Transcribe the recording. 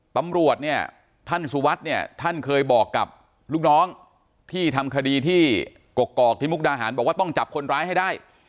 ตำรวจเนี่ยท่านสุวัสดิ์เนี่ยท่านเคยบอกกับลูกน้องที่ทำคดีที่กกอกที่มุกดาหารบอกว่าต้องจับคนร้ายให้ได้